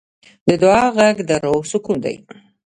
د دعا غږ د روح سکون دی.